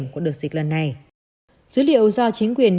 câu hỏi một